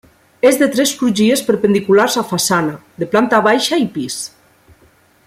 És de tres crugies perpendiculars a façana, de planta baixa i pis.